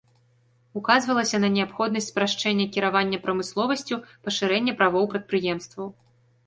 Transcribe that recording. Указвалася на неабходнасць спрашчэння кіравання прамысловасцю, пашырэння правоў прадпрыемстваў.